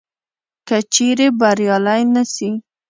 که چیري بریالي نه سي